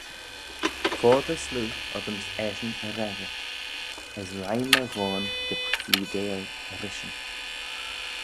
Foddey sloo oddym's eshyn y reggyrt, as reih my ghoan dy phleadeil rishyn.